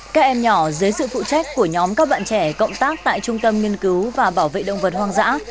các em nhỏ dưới sự phụ trách của nhóm các bạn trẻ cộng tác tại trung tâm nghiên cứu và bảo vệ động vật hoang dã